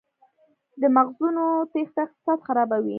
د مغزونو تیښته اقتصاد خرابوي؟